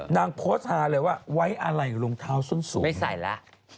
นางโพสต์ฮาเลยว่าไว้อะไรรองเท้าส้นสูงไม่ใส่แล้ว